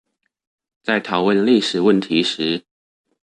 在討論歷史問題時